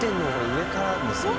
上からですよね。